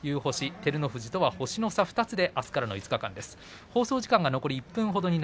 照ノ富士とは星の差２つであすからの５日間です。